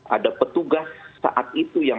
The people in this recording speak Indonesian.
ada petugas saat itu yang